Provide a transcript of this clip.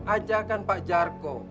ajakan pak jarko